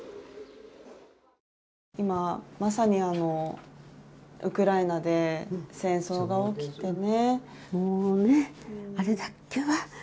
今、まさにウクライナで戦争が起きてね。